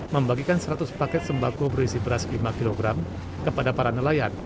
membagikan seratus paket sembako berisi beras lima kg kepada para nelayan